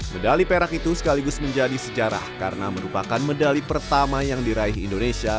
medali perak itu sekaligus menjadi sejarah karena merupakan medali pertama yang diraih indonesia